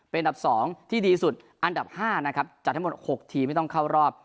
เป็นดับ๒ที่ดีสุดอันดับ๕นะครับ๙ทีมไม่ต้องเข้ารอบ